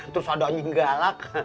terus ada anjing galak